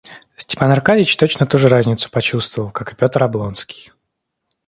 Степан Аркадьич точно ту же разницу чувствовал, как и Петр Облонский.